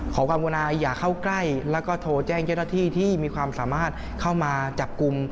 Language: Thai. ความวุณาอย่าเข้าใกล้แล้วก็โทรแจ้งเจ้าหน้าที่ที่มีความสามารถเข้ามาจับกลุ่ม